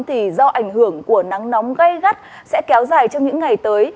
thì do ảnh hưởng của nắng nóng gây gắt sẽ kéo dài trong những ngày tới